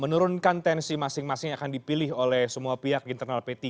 menurunkan tensi masing masing yang akan dipilih oleh semua pihak internal p tiga